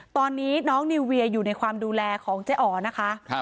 ตอนนี้น้องนิวเวียอยู่ในความดูแลของเจ๊อ๋อนะคะ